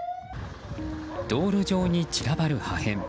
道路上に散らばる破片。